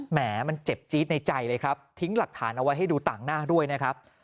แหมมันเจ็บจี๊ดในใจเลยครับทิ้งหลักฐานเอาไว้ให้ดูต่างหน้าด้วยนะครับ